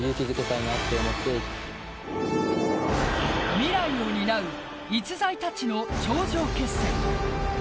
未来を担う逸材たちの頂上決戦。